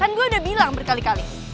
kan gue udah bilang berkali kali